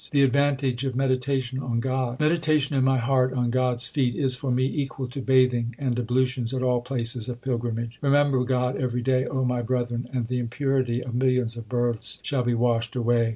The advantage of meditation on God : Meditation in my heart on God s feet Is for me equal to bathing and ablutions at all places of pilgrimage. Remember God every day, O my brethren, And the impurity of millions of births shall be washed away.